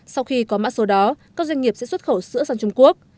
sau khi có mã số đó các doanh nghiệp sẽ xuất khẩu sữa sang trung quốc